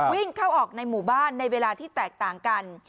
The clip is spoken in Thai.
วิ่งเข้าออกในหมู่บ้านในเวลาที่แตกต่างกัน